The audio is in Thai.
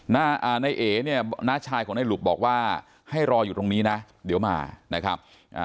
น้าชายของน้ายหลุบบอกว่าให้รออยู่ตรงนี้นะเดี๋ยวมานะครับ